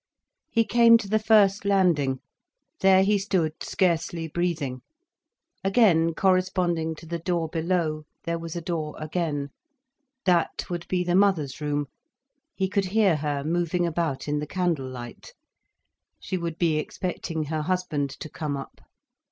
He came to the first landing. There he stood, scarcely breathing. Again, corresponding to the door below, there was a door again. That would be the mother's room. He could hear her moving about in the candlelight. She would be expecting her husband to come up.